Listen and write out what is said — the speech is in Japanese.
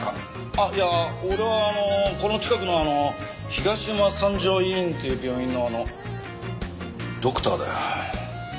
あっいや俺はあのこの近くのあの東山三条医院っていう病院のあのドクターだよ。